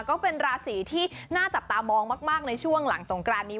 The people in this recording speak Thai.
ก็เป็นราศีที่น่าจับตามองมากในช่วงหลังสงกรานนี้